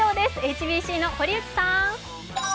ＨＢＣの堀内さん！